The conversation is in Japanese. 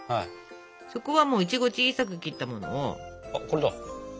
そこはもういちご小さく切ったもので埋めてくの。